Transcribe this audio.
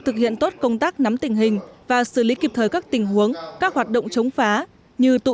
thực hiện tốt công tác nắm tình hình và xử lý kịp thời các tình huống các hoạt động chống phá như tụ